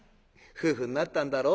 「夫婦になったんだろ？